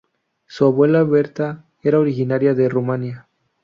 Su abuela Bertha era originaria de Rumanía.